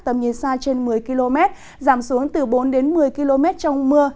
tầm nhìn xa trên một mươi km giảm xuống từ bốn đến một mươi km trong mưa